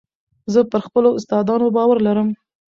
زه پر خپلو استادانو باور لرم.